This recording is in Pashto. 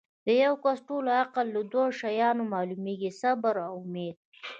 د یو کس ټول عقل لۀ دوه شیانو معلومیږي صبر او اُمید